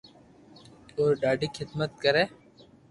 اورو ڌاڌي خدمت ڪري